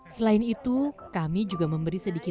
selain itu kami juga memberi sedikit